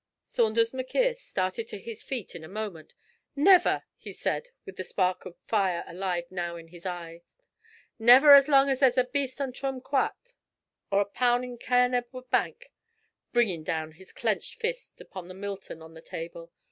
Saunders M'Quhirr started to his feet in a moment. 'Never,' he said, with the spark of fire alive now in his eyes, 'never as lang as there's a beast on Drumquhat, or a poun' in Cairn Edward Bank' bringing down his clenched fist upon the Milton on the table.